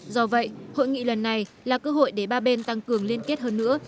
do vậy hội nghị lần này là cơ hội để ba bên tăng cường liên kết hơn nữa